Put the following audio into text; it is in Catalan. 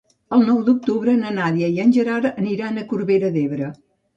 El nou d'octubre na Nàdia i en Gerard aniran a Corbera d'Ebre.